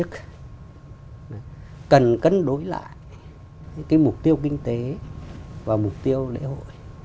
cái mục tiêu kinh tế và mục tiêu lễ hội